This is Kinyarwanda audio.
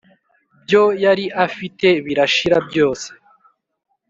byo yari afite birashira byose